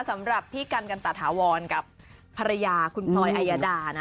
สำหรับพี่กันกันตะถาวรกับภรรยาคุณพลอยอายดานะ